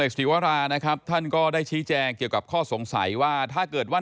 ถ้าเกิดว่านายผู้บัญชาการตำรวจแห่งชาติจะมีความรู้สึกดีกว่าอะไรกัน